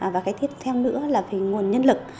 và cái tiếp theo nữa là về nguồn nhân lực